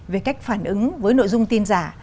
về cách phản ứng với nội dung tin giả